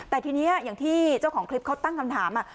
แต่ทีนี้อย่างที่เจ้าของคลิปเขาตั้งคำถาม